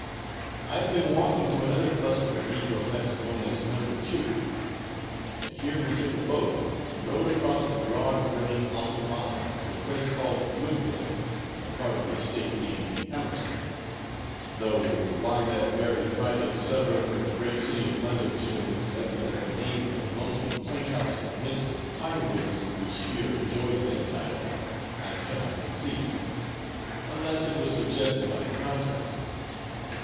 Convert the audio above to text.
I have been walking to another cluster of negro huts, known as Number Two, and here we took a boat and rowed across the broad brimming Altamaha to a place called Woodville, on a part of the estate named Hammersmith, though why that very thriving suburb of the great city of London should have been selected as the name of the lonely plank house in the midst of the pine woods which here enjoys that title I cannot conceive, unless it was suggested by the contrast.